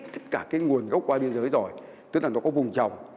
tức là nó có vùng trồng